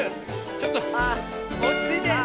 ちょっとおちついて。